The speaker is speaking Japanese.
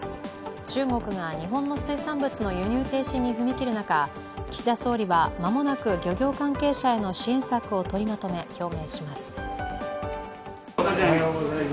中国が日本の水産物の輸入停止に踏み切る中、岸田総理は間もなく漁業関係者への支援策を取りまとめ、表明します。